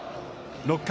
６回。